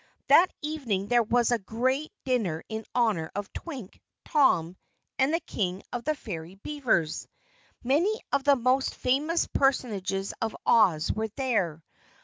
That evening there was a great dinner in honor of Twink, Tom, and the King of the Fairy Beavers. Many of the most famous personages of Oz were there.